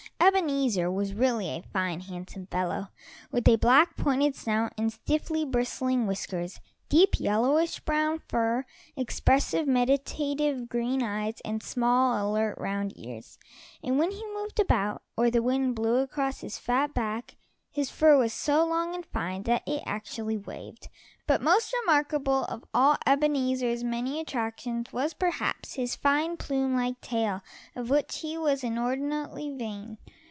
Ebenezer was really a fine, handsome fellow, with a black, pointed snout and stiffly bristling whiskers, deep, yellowish brown fur, expressive, meditative green eyes, and small, alert, round ears, and when he moved about, or the wind blew across his fat back, his fur was so long and fine that it actually waved. But most remarkable of all Ebenezer's many attractions was, perhaps, his fine, plume like tail, of which he was inordinately vain.